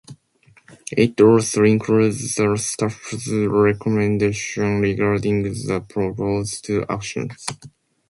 It also includes the staff's recommendation regarding the proposed actions.